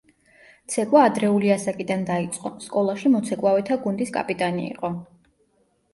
ცეკვა ადრეული ასაკიდან დაიწყო, სკოლაში მოცეკვავეთა გუნდის კაპიტანი იყო.